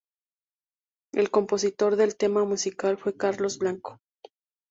El compositor del tema musical fue Carlos Blanco.